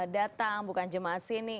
datang bukan jemaah sini